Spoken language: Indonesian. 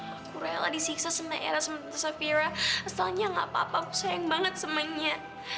aku rela disiksa sama eda sama tanza fira asalnya gak apa apa aku sayang banget semangatnya